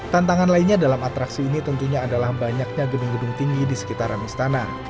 tantangan lainnya dalam atraksi ini tentunya adalah banyaknya gedung gedung tinggi di sekitaran istana